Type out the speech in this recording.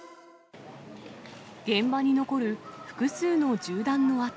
現場に残る複数の銃弾の痕。